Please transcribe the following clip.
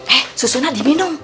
eh susuna diminum